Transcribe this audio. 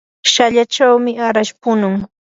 shallachawmi arash punun.